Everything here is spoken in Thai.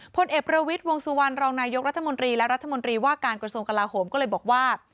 พลเอกประวิทย์วงสุวรรณรองนายกรัฐมนตรีและรัฐมนตรีว่าการกระทรวงกลาโหมก็เลยบอกว่า